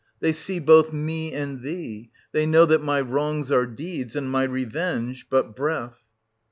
They see both me and thee; they know that my wrongs are deeds, and my revenge — but breath.